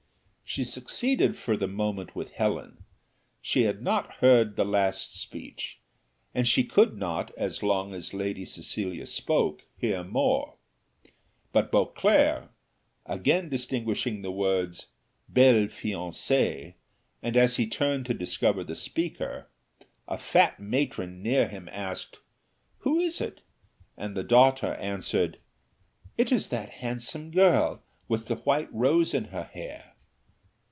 She succeeded for the moment with Helen; she had not heard the last speech, and she could not, as long as Lady Cecilia spoke, hear more; but Beauclerc again distinguished the words "Belle fiancée;" and as he turned to discover the speaker, a fat matron near him asked, "Who is it?" and the daughter answered, "It is that handsome girl, with the white rose in her hair."